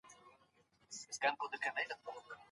د فراغت سند پرته له پلانه نه پراخیږي.